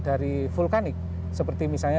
dari vulkanik seperti misalnya